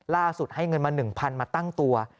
ล่าสุดให้เงินมา๑๐๐๐มาตั้งตัว